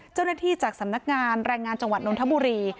เจ้าหน้าที่จากสำนักงานแรงงานจังหวัดนทบุรี